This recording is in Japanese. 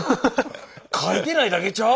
描いてないだけちゃう？